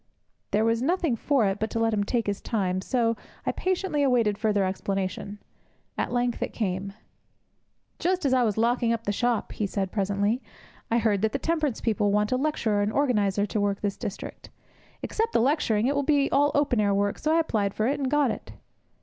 There was nothing for it but to let him take his time, so I patiently awaited further explanation. At length it came. 'Just as I was locking up the shop,' he said, presently, 'I heard that the temperance people wanted a lecturer and organizer to work this district. Except the lecturing, it will be all open air work, so I applied for it, and got it!'